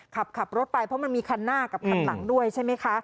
ขับรถไปเพราะมันมีคันหน้ากับคันหลังด้วยใช่ไหมคะ